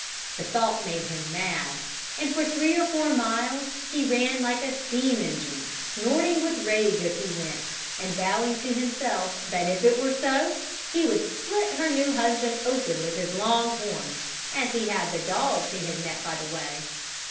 The thought made him mad; and for three or four miles he ran like a steam engine, snorting with rage as he went, and vowing to himself that if it were so, he would split her new husband open with his long horns, as he had the dogs he had met by the way.